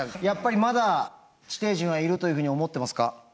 やっぱりまだ地底人はいるというふうに思ってますか？